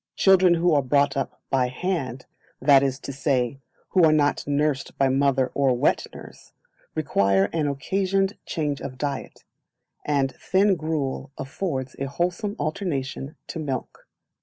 Children who are brought up by hand, that is to say, who are not nursed by mother or wet nurse, require an occasioned change of diet, and thin gruel affords a wholesome alternation to milk.